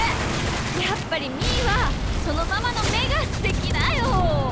やっぱりみーはそのままのめがすてきだよ！